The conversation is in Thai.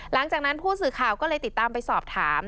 หลังจากนั้นผู้สื่อข่าวก็เลยติดตามไปสอบถาม